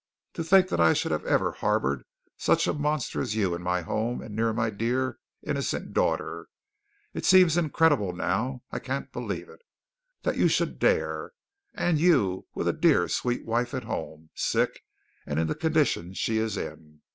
To think that I should have ever harbored such a monster as you in my home and near my dear, innocent daughter. It seems incredible now. I can't believe it. That you should dare. And you with a dear, sweet wife at home, sick and in the condition she is in.